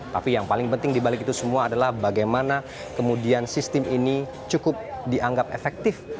tapi yang paling penting dibalik itu semua adalah bagaimana kemudian sistem ini cukup dianggap efektif